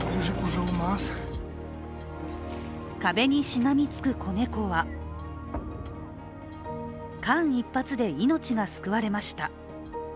壁にしがみつく子猫は間一髪で命が救われました。